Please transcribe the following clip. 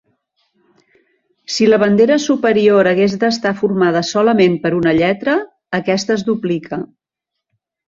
Si la bandera superior hagués d'estar formada solament per una lletra, aquesta es duplica.